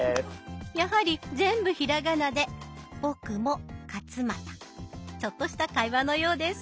やはり全部ひらがなでちょっとした会話のようです。